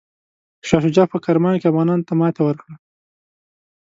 شاه شجاع په کرمان کې افغانانو ته ماته ورکړه.